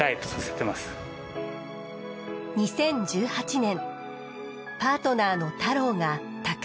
２０１８年パートナーのたろうが他界。